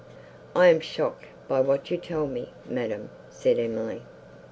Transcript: "I am shocked by what you tell me, madam," said Emily.